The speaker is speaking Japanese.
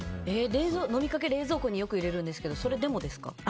飲みかけを冷蔵庫によく入れるんですけどそれでもですか？